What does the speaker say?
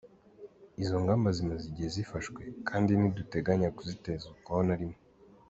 Izo ngamba zimaze igihe zifashwe, kandi ntiduteganya kuzitezukaho na rimwe.